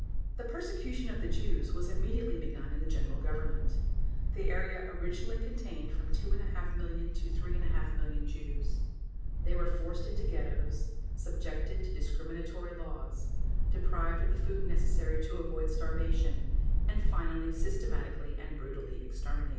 The persecution of the Jews was immediately begun in the General Government. The area originally contained from 2½ million to 3½ million Jews. They were forced into ghettos, subjected to discriminatory laws, deprived of the food necessary to avoid starvation, and finally systematically and brutally exterminated.